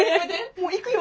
もう行くよ！